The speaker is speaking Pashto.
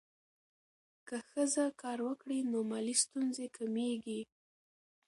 که ښځه کار وکړي، نو مالي ستونزې کمېږي.